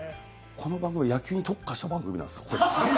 この番組は野球に特化した番組なんですか？